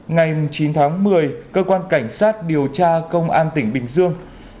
ngày chín tháng một mươi cơ quan cảnh sát điều tra công an tp hcm